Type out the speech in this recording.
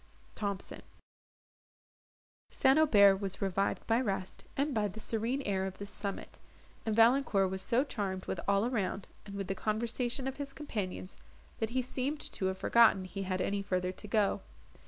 THOMSON St. Aubert was revived by rest, and by the serene air of this summit; and Valancourt was so charmed with all around, and with the conversation of his companions, that he seemed to have forgotten he had any further to go.